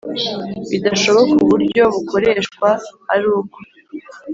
bidashoboka Ubu buryo bukoreshwa ari uko